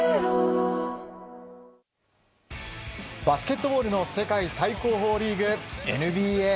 バスケットボールの世界最高峰リーグＮＢＡ。